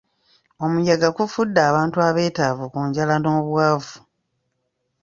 Omuyaga gufudde bantu abeetaavu ku njala n'obwavu.